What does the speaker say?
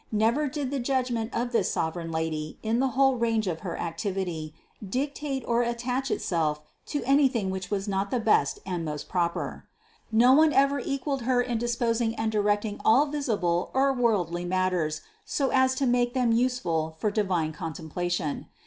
Never did the judgment of this sovereign Lady in the whole range of her activity, dictate or attach itself to anything which was not the best and most proper. No one ever equaled Her in disposing and directing all visi ble or worldly matters so as to make them useful for di vine contemplation.